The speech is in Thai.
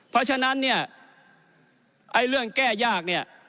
เพราะฉะนั้นเนี่ยไอ้เรื่องแก้ยากเนี่ย